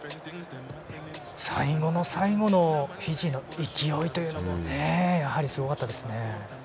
最後の最後のフィジーの勢いというのもやはり、すごかったですね。